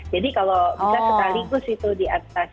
jadi kalau bisa sekaligus itu di atas